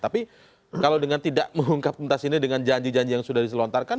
tapi kalau dengan tidak mengungkap pentas ini dengan janji janji yang sudah diselontarkan